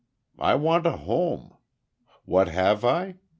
I want a home. What have I?